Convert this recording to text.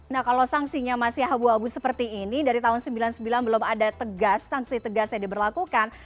nah kalau sanksinya masih abu abu seperti ini dari tahun seribu sembilan ratus sembilan puluh sembilan belum ada tegas sanksi tegas yang diberlakukan